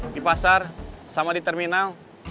di pasar sama di terminal